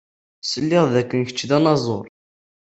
Sliɣ dakken kečč d anaẓur.